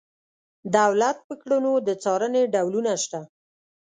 دولت په کړنو د څارنې ډولونه شته.